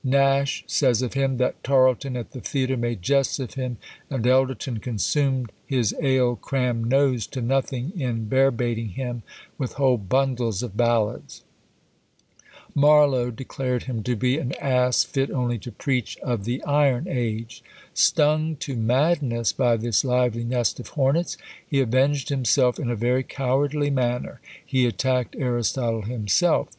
Nash says of him, that "Tarlton at the theatre made jests of him, and Elderton consumed his ale crammed nose to nothing, in bear baiting him with whole bundles of ballads." Marlow declared him to be "an ass fit only to preach of the iron age." Stung to madness by this lively nest of hornets, he avenged himself in a very cowardly manner he attacked Aristotle himself!